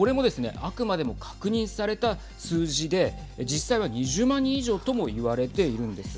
あくまでも確認された数字で実際は２０万人以上とも言われているんです。